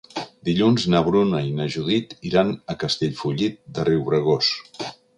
Dilluns na Bruna i na Judit iran a Castellfollit de Riubregós.